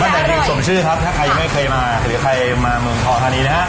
บรรทลิงทร์สมชื่อครับใครไม่เคยมาหรือใครมาเมืองท้อนี้นะฮะ